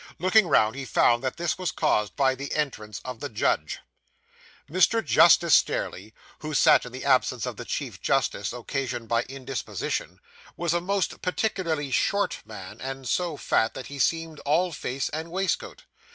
Looking round, he found that this was caused by the entrance of the judge. Mr. Justice Stareleigh (who sat in the absence of the Chief Justice, occasioned by indisposition) was a most particularly short man, and so fat, that he seemed all face and waistcoat.